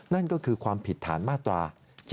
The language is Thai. นั่นก็คือความผิดฐานมาตรา๗๒